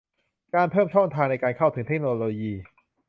การเพิ่มช่องทางในการเข้าถึงเทคโนโลยี